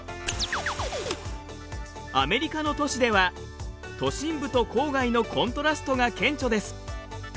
アメリカの都市では都心部と郊外のコントラストが顕著です。